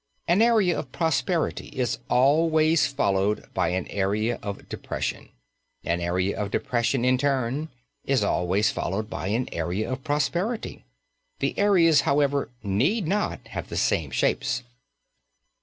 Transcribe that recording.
An area of prosperity is always followed by an area of depression; an area of depression in turn is always followed by an area of prosperity. The areas, however, need not have the same shapes.